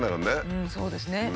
うんそうですね。